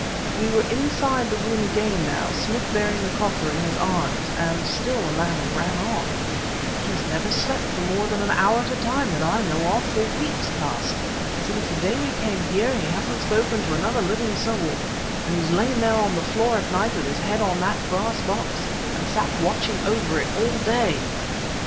We were inside the room again now, Smith bearing the coffer in his arms, and still the man ran on: "He's never slept for more than an hour at a time, that I know of, for weeks past. Since the day we came here he hasn't spoken to another living soul, and he's lain there on the floor at night with his head on that brass box, and sat watching over it all day."